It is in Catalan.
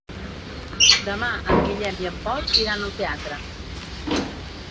Demà en Guillem i en Pol iran al teatre.